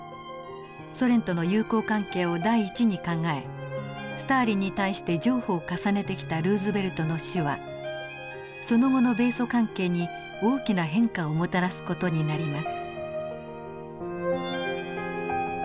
ソ連との友好関係を第一に考えスターリンに対して譲歩を重ねてきたルーズベルトの死はその後の米ソ関係に大きな変化をもたらす事になります。